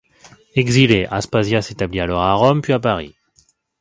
Exilée, Aspasía s’établit alors à Rome, puis à Paris.